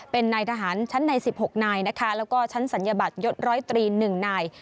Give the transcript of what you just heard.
เป็นนายทหารชั้นใน๑๖นายนะคะแล้วก็ชั้นศัลยบัตรยศร้อยตรี๑นาย